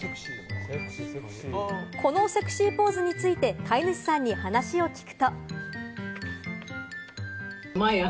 このセクシーポーズについて飼い主さんに話を聞く。